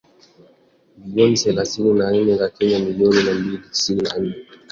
bilioni thelathini na nne za Kenya milioni mia mbili tisini na nane